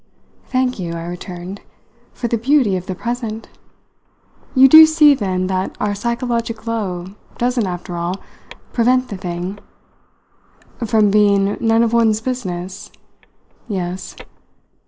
"Thank you," I returned, "for the beauty of the present! You do see, then, that our psychologic glow doesn't, after all, prevent the thing " "From being none of one's business? Yes.